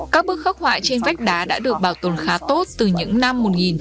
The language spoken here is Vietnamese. các bức khắc hoại trên vách đá đã được bảo tồn khá tốt từ những năm một nghìn chín trăm bảy mươi